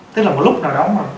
tức là một lúc nào đó mà